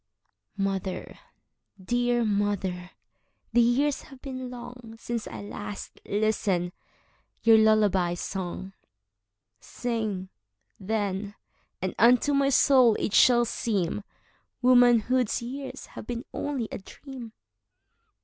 Mother, dear mother, the years have been longSince I last listened your lullaby song:Sing, then, and unto my soul it shall seemWomanhood's years have been only a dream.